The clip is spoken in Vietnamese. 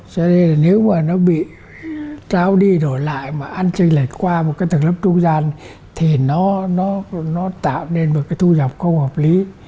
cho nên nếu mà nó bị trao đi đổi lại mà ăn tranh lệch qua một cái tầng lớp trung gian thì nó tạo nên một cái thu nhập không hợp lý